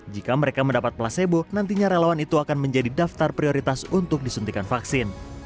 jika mereka mendapat placebo nantinya relawan itu akan menjadi daftar prioritas untuk disuntikan vaksin